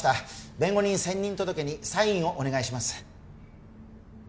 弁護人選任届にサインをお願いします